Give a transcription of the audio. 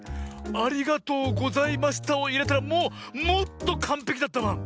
「ありがとうございました」をいえたらもうもっとかんぺきだったバン。